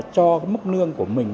cho cái mức lương của mình